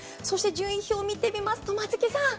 順位表を見ますと松木さん！